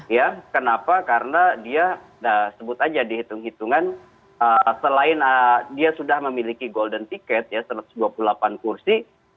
ya kenapa karena dia sebut aja dihitung hitungan selain dia sudah memiliki golden ticket ya satu ratus dua puluh delapan kursi